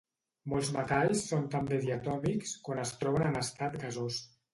Molts metalls són també diatòmics quan es troben en estat gasós.